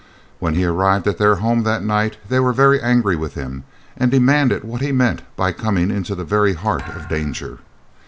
When he arrived at their home that night they were very angry with him, and demanded what he meant by coming into the very heart of danger.